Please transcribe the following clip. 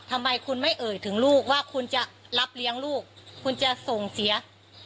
ทำไมคุณไม่เอ่ยถึงลูกว่าคุณจะรับเลี้ยงลูกคุณจะส่งเสีย